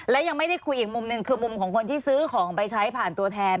และยังไม่ได้คุยอีกมุมหนึ่งคือมุมของคนที่ซื้อของไปใช้ผ่านตัวแทน